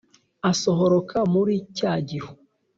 asohoroka muri cya gihu,